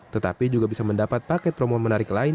tetapi juga bisa mendapat paket promo menarik lain